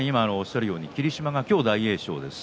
霧島が今日、大栄翔です。